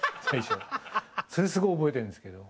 それすごい覚えてるんですけど。